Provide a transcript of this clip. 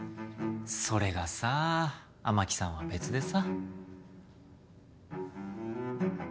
それがさ雨樹さんは別でさ。